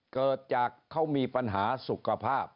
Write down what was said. เกิดจากเขามีปัญหาสุขภาพ